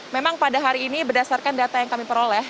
memang pada hari ini berdasarkan data yang kami peroleh